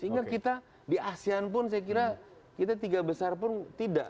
sehingga kita di asean pun saya kira kita tiga besar pun tidak